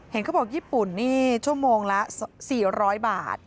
เขาบอกญี่ปุ่นนี่ชั่วโมงละ๔๐๐บาท